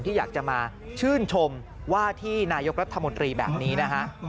ที่อยากจะมาชื่นชมว่าที่นายกรัฐมนตรีแบบนี้นะฮะ